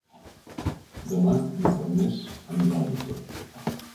Demà na Farners anirà al metge.